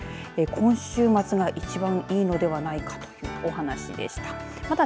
今週末が一番いいのではないかというお話でした。